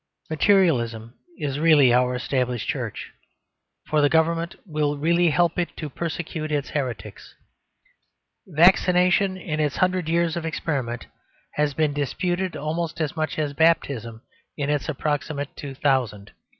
Materialism is really our established Church; for the Government will really help it to persecute its heretics. Vaccination, in its hundred years of experiment, has been disputed almost as much as baptism in its approximate two thousand.